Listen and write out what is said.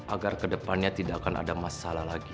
agar kedepannya tidak akan ada masalah lagi